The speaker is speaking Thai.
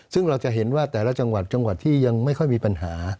ซึ่งเราจะเห็นว่าแต่ละจังหวัดจังหวัดที่ยังไม่ค่อยมีปัญหา